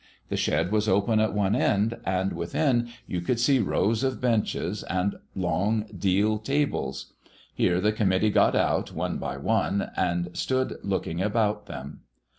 The shed was open at one end, and within you could see rows of benches and long deal tables. Here the committee got out, one by one, and stood looking about them.